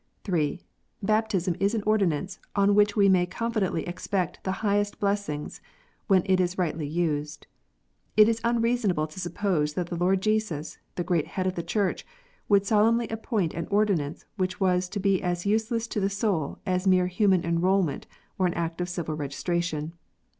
(3) Baptism is an ordinance on which we may confidently expect the highest blessings, when it is rightly used. It is unreasonable to suppose that the Lord Jesus, the Great Head of the Church, would solemnly appoint an ordinance which was to b 3 as useless to the soul as a mere human enrolment or an act of civil registration.